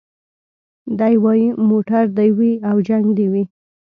دی وايي موټر دي وي او جنګ دي وي